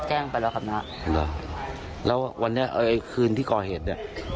แจ้งไปแล้วครับน้าเหรอแล้ววันนี้ไอ้คืนที่ก่อเหตุเนี้ย